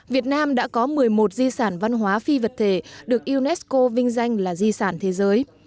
việt nam đã có một mươi một di sản văn hóa phi vật thể được unesco vinh danh là di sản thế giới